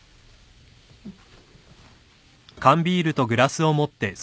うん。